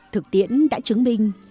thực tiễn đã chứng minh